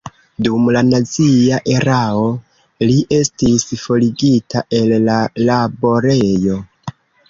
Dum la nazia erao li estis forigita el la laborejo.